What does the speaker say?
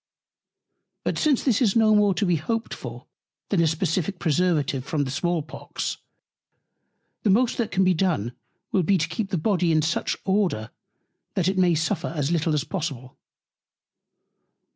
But since this is no more to be hoped for, than a Specific Preservative from the Small Pox; the most that can be done, will be to keep the Body in such Order, that it may suffer as little as possible.